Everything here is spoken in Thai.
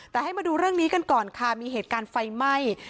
แต่ให้มาดูเรื่องนี้กันก่อนค่ะมีเหตุการณ์ไฟไหม้